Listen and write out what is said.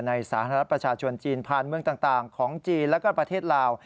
ในสาธารณะประชาชนจีนผ่านเมืองต่างของจีนแล้วก็ประเทศลาว